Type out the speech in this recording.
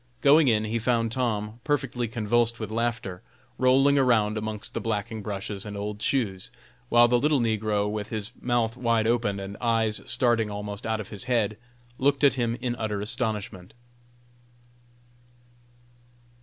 Going in, he found Tom, perfectly convulsed with laughter, rolling around amongst the blacking brushes and old shoes, while the little negro, with his mouth wide open and eyes starting almost out of his head, looked at him in utter astonishment.